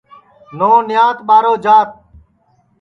نو نیات ٻارو جات